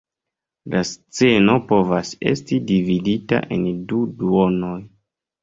La sceno povas esti dividita en du duonoj.